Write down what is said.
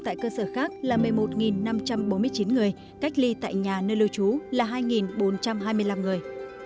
tại cơ sở khác là một mươi một năm trăm bốn mươi chín người cách ly tại nhà nơi lưu trú là hai bốn trăm hai mươi năm người